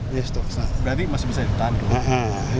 berarti masih bisa ditahan